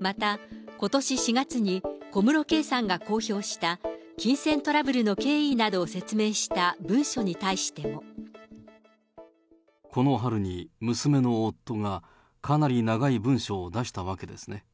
また、ことし４月に小室圭さんが公表した、金銭トラブルの経緯などを説明した文書に対しても。この春に娘の夫が、かなり長い文書を出したわけですね。